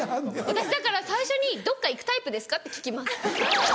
私だから最初に「どっか行くタイプですか？」って聞きます。